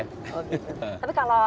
tapi kalau mbak hanum